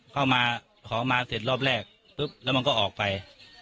เข้ามาขอมาเสร็จรอบแรกปุ๊บแล้วมันก็ออกไป